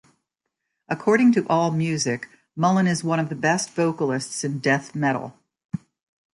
According to AllMusic, Mullen is one of the best vocalists in death metal.